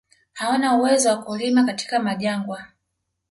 Hawana uwezo wa kulima katika majangwa